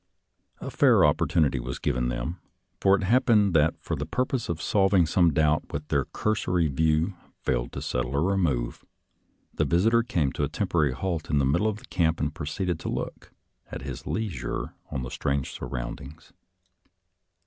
A fair opportunity was given them, for it hap pened that for the purpose of solving some doubt which a cursory view failed to settle or remove, the visitor came to a temporary halt in the mid dle of the camp and proceeded to look, at his leisure, on the strange surroundings.